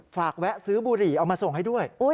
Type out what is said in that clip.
แวะซื้อบุหรี่เอามาส่งให้ด้วย